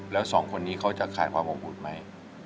แล้วสองคนนี้เขาจะขาดความอบอุ่นไหม